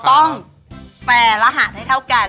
ต้องแฟร์รหัสให้เท่ากัน